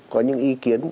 có những ý kiến